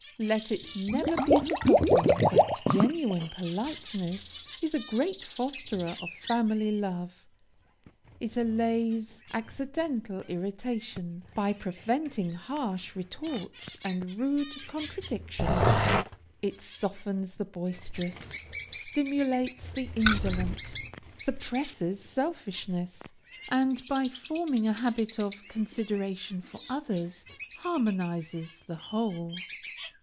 Let it never be forgotten, that genuine politeness is a great fosterer of family love; it allays accidental irritation, by preventing harsh retorts and rude contradictions; it softens the boisterous, stimulates the indolent, suppresses selfishness, and by forming a habit of consideration for others, harmonizes the whole.